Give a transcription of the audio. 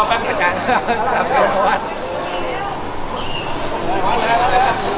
พ่ออาจารย์แค่ันมั้ยไม่สังหรับครับพ่อ